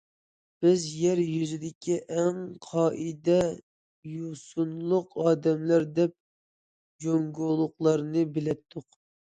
بىز يەر يۈزىدىكى ئەڭ قائىدە- يوسۇنلۇق ئادەملەر دەپ جۇڭگولۇقلارنى بىلەتتۇق.